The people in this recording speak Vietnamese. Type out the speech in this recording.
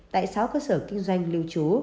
tại sáu cơ sở kinh doanh lưu trú